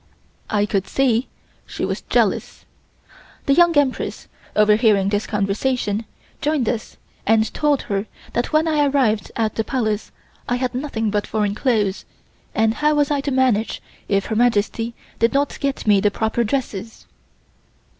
I could see she was jealous. The young Empress, overhearing this conversation, joined us and told her that when I arrived at the Palace I had nothing but foreign clothes and how was I to manage if Her Majesty did not get me the proper dresses.